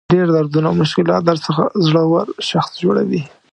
ډېر دردونه او مشکلات درڅخه زړور شخص جوړوي.